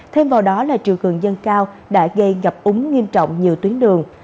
thêm vào đó là chiều cường dân cao đã gây ngập úng nghiêm trọng nhiều tuyến đường